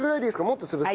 もっと潰す？